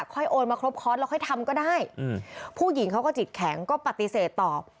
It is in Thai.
โอนมาครบคอร์สแล้วค่อยทำก็ได้ผู้หญิงเขาก็จิตแข็งก็ปฏิเสธตอบ